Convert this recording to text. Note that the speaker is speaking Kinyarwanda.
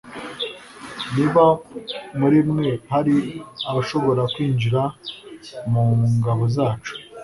niba muri mwe hari abashobora kwinjira mu ngabo zacu